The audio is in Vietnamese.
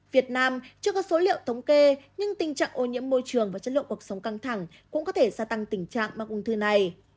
việt nam chưa có số liệu thống kê nhưng tình trạng ô nhiễm môi trường và chất lượng cuộc sống căng thẳng cũng có thể gia tăng tình trạng mắc ung thư này